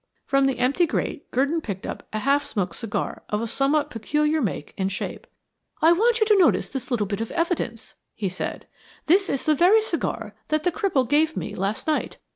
From the empty grate Gurdon picked up a half smoked cigar of a somewhat peculiar make and shape. "I want you to notice this little bit of evidence," he said. "This is the very cigar that the cripple gave me last night.